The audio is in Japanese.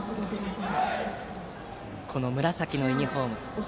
この紫のユニフォーム。